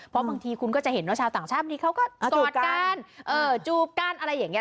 เพราะบางทีคุณก็จะเห็นว่าชาวต่างชาติบางทีเขาก็กอดกันจูบกันอะไรอย่างนี้